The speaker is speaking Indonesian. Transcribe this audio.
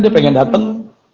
dia pengen dateng